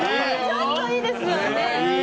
ちょっといいですよね？